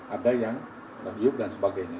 ada yang tergiuk dan sebagainya